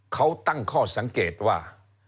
เขาตั้งข้อสังเกตว่า